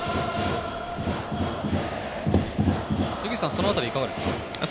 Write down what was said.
井口さん、その辺りいかがですか？